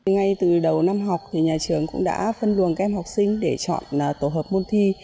ngay từ đầu năm học nhà trường cũng đã phân luồng các em học sinh để chọn tổ hợp môn thi